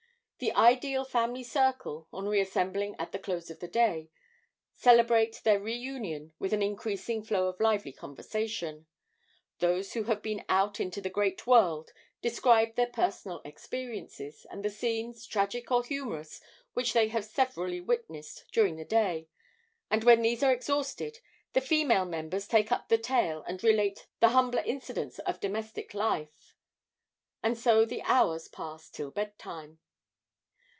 The ideal family circle, on re assembling at the close of the day, celebrate their reunion with an increasing flow of lively conversation; those who have been out into the great world describe their personal experiences, and the scenes, tragic or humorous, which they have severally witnessed during the day; and when these are exhausted, the female members take up the tale and relate the humbler incidents of domestic life, and so the hours pass till bedtime.